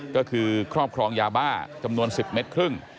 ก็คือครอบครองยาบ้าจำนวน๑๐เมตรครึ่ง